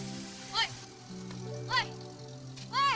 kakak mau pergi kemana